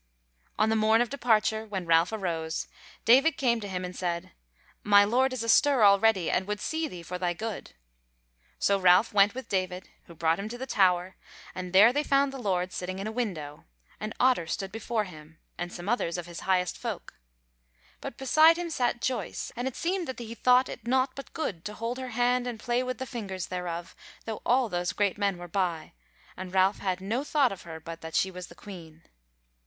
On the morn of departure, when Ralph arose, David came to him and said: "My Lord is astir already, and would see thee for thy good." So Ralph went with David, who brought him to the Tower, and there they found the Lord sitting in a window, and Otter stood before him, and some others of his highest folk. But beside him sat Joyce, and it seemed that he thought it naught but good to hold her hand and play with the fingers thereof, though all those great men were by; and Ralph had no thought of her but that she was the Queen.